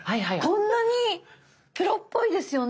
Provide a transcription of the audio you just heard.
こんなに⁉プロっぽいですよね。